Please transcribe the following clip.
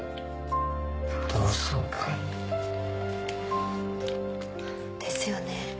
同窓会。ですよね。